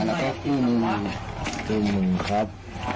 แล้วก็คู่มือคู่มือครับ